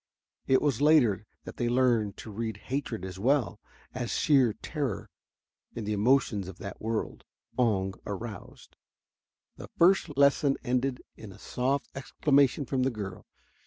It was later that they learned to read hatred as well as sheer terror in the emotions that the word Oong aroused. The first lesson ended in a soft exclamation from the girl.